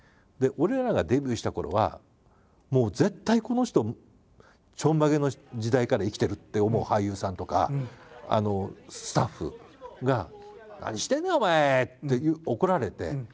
で俺らがデビューしたころはもう絶対この人ちょんまげの時代から生きてるって思う俳優さんとかスタッフが「何してんねん！お前」って怒られて。